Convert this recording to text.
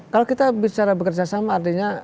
kalau kita bicara bekerja sama artinya